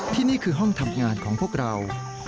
ที่นี่คือห้องทำงานของพวกเรา